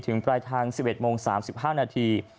ปลายทาง๑๑โมง๓๕นาที